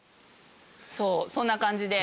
そうそんな感じで。